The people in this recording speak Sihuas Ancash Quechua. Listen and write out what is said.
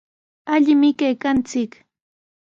Allimi kaykanchik.